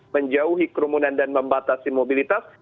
menjauhi kerumunan dan membatasi mobilitas